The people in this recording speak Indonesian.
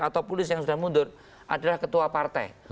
atau pulis yang sudah mundur adalah ketua partai